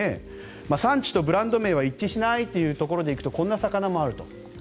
産地とブランド名は一致しないというところで行くとこんな魚もあると。